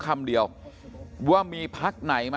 คุณวราวุฒิศิลปะอาชาหัวหน้าภักดิ์ชาติไทยพัฒนา